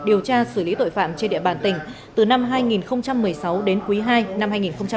điều tra xử lý tội phạm trên địa bàn tỉnh từ năm hai nghìn một mươi sáu đến quý ii năm hai nghìn hai mươi